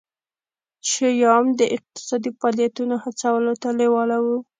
شیام د اقتصادي فعالیتونو هڅولو ته لېواله وو.